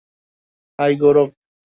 High, Gaurav!